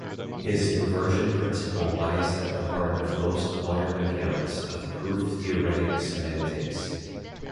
His inversion principle lies at the heart of most modern accounts of proof-theoretic semantics.